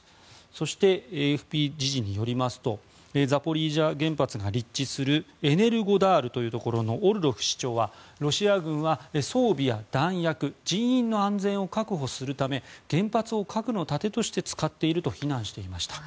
そして、ＡＦＰ時事によりますとザポリージャ原発が立地するエネルゴダールというところのオルロフ市長はロシア軍は装備や弾薬人員の安全を確保するため原発を核の盾として使っていると非難していました。